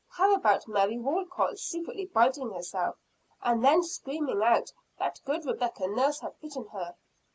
How about Mary Walcot secretly biting herself, and then screaming out that good Rebecca Nurse had bitten her?